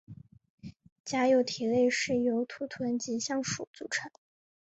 假有蹄类是由土豚及象鼩组成。